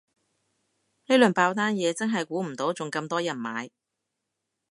呢輪爆單嘢真係估唔到仲咁多人買